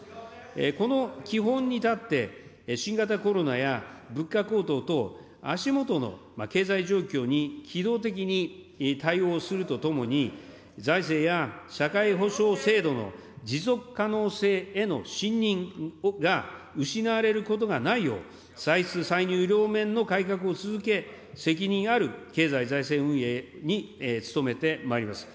この基本に立って新型コロナや物価高騰等、足下の経済状況に機動的に対応するとともに、財政や社会保障制度の持続可能性への信認が失われることがないよう、歳出歳入両面の改革を続け、責任ある経済財政運営に努めてまいります。